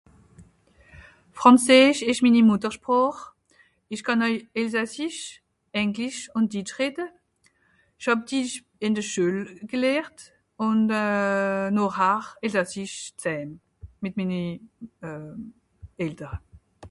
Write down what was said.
Frànseesch esch minni Mùtterschpràch isch kànn euj Elsassisch Englisch ùn Ditsch rette ìsch hàb dies ìn de Schuel gelehrt ùn euh nòrar Elsassisch t'Hääm mìt minni euh Eltere